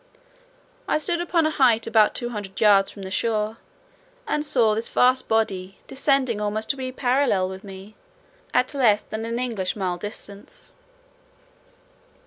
I stood upon a height about two hundred yards from the shore, and saw this vast body descending almost to a parallel with me, at less than an English mile distance.